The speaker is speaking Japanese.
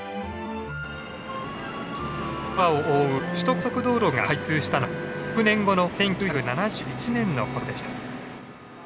空を覆う首都高速道路が開通したのは６年後の１９７１年のことでした。